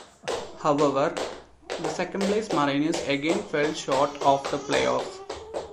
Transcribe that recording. However, the second-place Mariners again fell short of the playoffs.